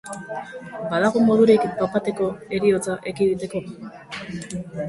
Badago modurik bat-bateko heriotza ekiditeko?